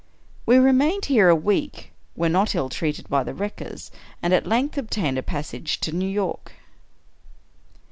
We remained here a week, were not ill treated by the wreckers, and at length obtained a passage to New York.